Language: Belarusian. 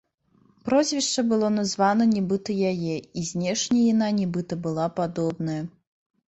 Прозвішча было названа нібыта яе і знешне яна нібыта была падобная.